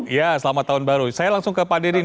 ya selamat tahun baru saya langsung ke pak deddy